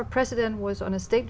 cho việt nam là gì